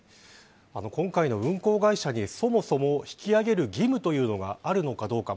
今回の運航会社にそもそも引き揚げる義務があるのかどうか。